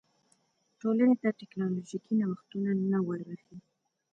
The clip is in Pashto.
ټولنې ته ټکنالوژیکي نوښتونه نه وربښي.